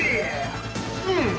うん！